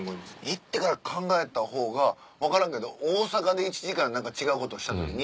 行ってから考えた方が分からんけど大阪で１時間何か違うことした時に。